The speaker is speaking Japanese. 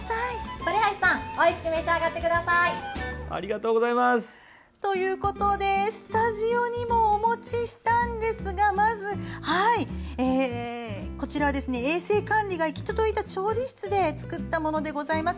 反橋さんおいしく召し上がってください。ということでスタジオにもお持ちしたんですがこちらは衛生管理が行き届いた調理室で作ったものです。